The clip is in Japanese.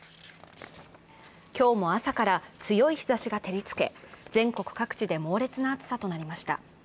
今日も朝から強い日ざしが照りつけ、全国各地で猛烈な暑さとなりました。